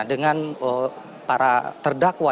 dengan para terdakwa